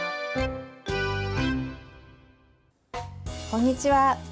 こんにちは。